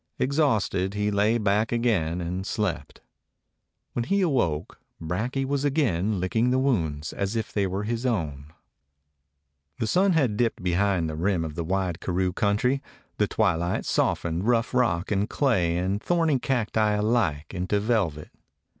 Exhausted, he lay back again and slept. When he awoke, Brakje was again licking the wounds as if they were his own. The sun had dipped behind the rim of the wide karoo country; the twilight softened rough rock and clay and thorny cacti alike into velvet.